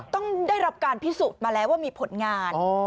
ต้องได้รับการพิสูจน์มาแล้วว่ามีผลงาน